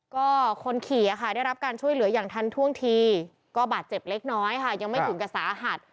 ก็คนขี่ได้รับการช่วยเหลืออย่างทันท่วงทีก็บาดเจ็บเล็กน้อยค่ะยังไม่ถึงกับสาหัส